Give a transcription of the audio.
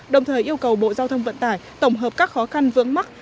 đồng thời yêu cầu bộ giao thông vận tải tổng hợp các khó khăn vướng mắt